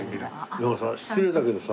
でもさ失礼だけどさ。